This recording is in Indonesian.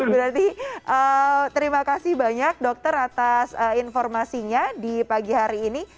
berarti terima kasih banyak dokter atas informasinya di pagi hari ini